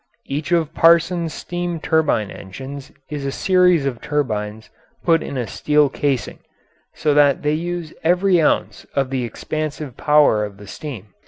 Each of Parsons's steam turbine engines is a series of turbines put in a steel casing, so that they use every ounce of the expansive power of the steam.